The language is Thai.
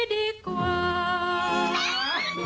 มันโดนหรือยังมันโดนหรือยัง